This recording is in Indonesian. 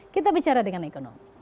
kita bicara dengan ekonomi